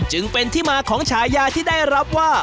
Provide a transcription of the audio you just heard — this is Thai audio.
จึงเป็นที่มาของฉายาที่ได้รับว่า